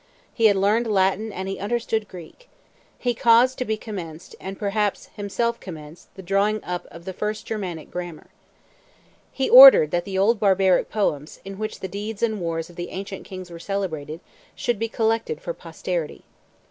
He had learned Latin, and he understood Greek. He caused to be commenced, and, perhaps, himself commenced the drawing up of the first Germanic grammar. He ordered that the old barbaric poems, in which the deeds and wars of the ancient kings were celebrated, should be collected for posterity.